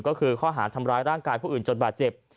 ก็คือข้อหาทำร้ายร่างกายผู้อื่นจนบาดเจ็บ